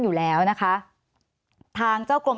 สวัสดีครับทุกคน